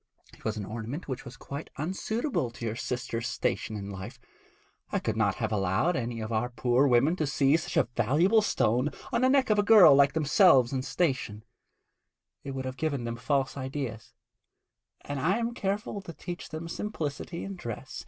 It was an ornament which was quite unsuitable to your sister's station in life. I could not have allowed any of our poor women to see such a valuable stone on the neck of a girl like themselves in station; it would have given them false ideas, and I am careful to teach them simplicity in dress.